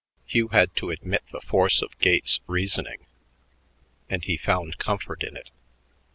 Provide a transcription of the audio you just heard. Hugh had to admit the force of Gates's reasoning, and he found comfort in it.